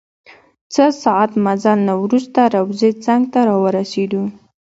څه ساعت مزل نه وروسته روضې څنګ ته راورسیدو.